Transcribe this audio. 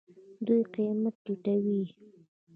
دوی قیمت ټیټوي.